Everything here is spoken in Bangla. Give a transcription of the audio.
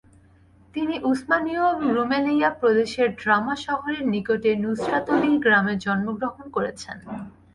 তিনি উসমানীয় রুমেলিয়া প্রদেশের ড্রামা শহরের নিকটে নুসরাতলি গ্রামে জন্মগ্রহণ করেছেন।